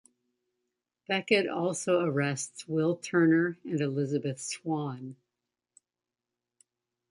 Beckett also arrests Will Turner and Elizabeth Swann.